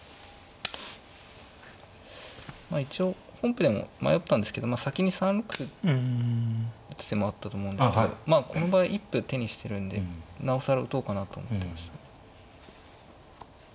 まあ一応本譜でも迷ったんですけど先に３六歩打つ手もあったと思うんですけどこの場合一歩手にしてるんでなおさら打とうかなと思ってましたね。